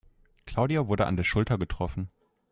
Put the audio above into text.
Claudia wurde an der Schulter getroffen.